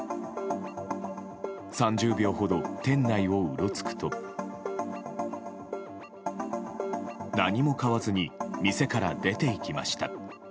３０秒ほど店内をうろつくと何も買わずに店から出ていきました。